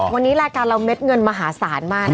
วันนี้รายการเราเม็ดเงินมหาศาลมาก